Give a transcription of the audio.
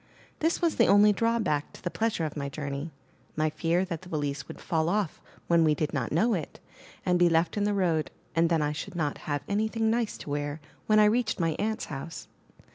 This was the only drawback to the pleasure of my journey — my fear that the valise would fall off when we did not know it, and be left in the road, and then I should not have anything nice to wear when I reached my aunt's house.